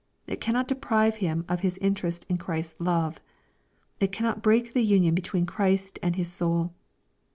It cannot deprive him of his interest in Christ's love. It cannot break the union between Christ and his soul.